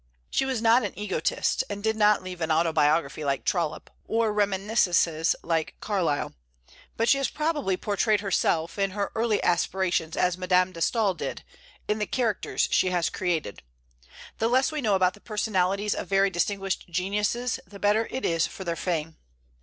She was not an egotist, and did not leave an autobiography like Trollope, or reminiscences like Carlyle; but she has probably portrayed herself, in her early aspirations, as Madame de Staël did, in the characters she has created. The less we know about the personalities of very distinguished geniuses, the better it is for their fame.